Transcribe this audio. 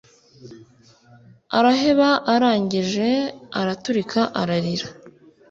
araheba arangije araturika arira